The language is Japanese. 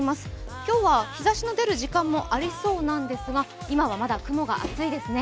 今日は日ざしの出る時間もありそうなんですが、今はまだ雲が厚いですね。